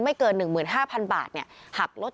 เกิน๑๕๐๐๐บาทหักลด